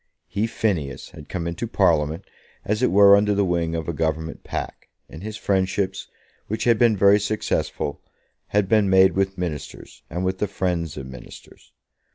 He, Phineas, had come into Parliament as it were under the wing of a Government pack, and his friendships, which had been very successful, had been made with Ministers, and with the friends of Ministers.